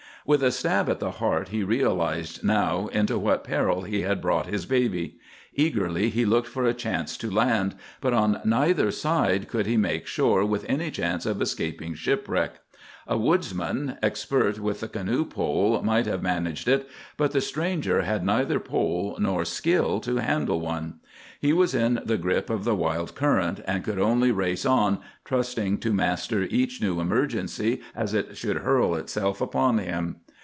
With a stab at the heart he realized now into what peril he had brought his baby. Eagerly he looked for a chance to land, but on neither side could he make shore with any chance of escaping shipwreck. A woodsman, expert with the canoe pole, might have managed it, but the stranger had neither pole nor skill to handle one. He was in the grip of the wild current and could only race on, trusting to master each new emergency as it should hurl itself upon him.